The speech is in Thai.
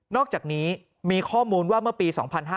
อกจากนี้มีข้อมูลว่าเมื่อปี๒๕๕๙